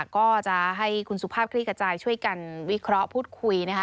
ก็จะให้คุณสุภาพคลี่ขจายช่วยกันวิเคราะห์พูดคุยนะคะ